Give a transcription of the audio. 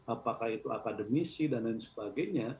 apakah itu akademisi dan lain sebagainya